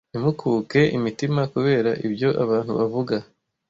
ntimukuke imitima kubera ibyo abantu bavuga